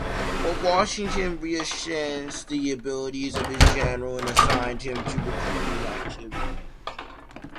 But Washington reassessed the abilities of his general and assigned him to recruiting activities.